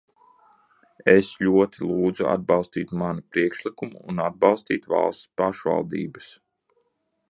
Es ļoti lūdzu atbalstīt manu priekšlikumu un atbalstīt valsts pašvaldības.